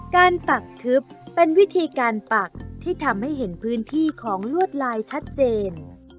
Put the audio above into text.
ปักทึบเป็นวิธีการปักที่ทำให้เห็นพื้นที่ของลวดลายชัดเจน